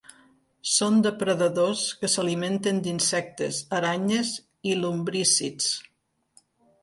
Són depredadors que s'alimenten d'insectes, aranyes i lumbrícids.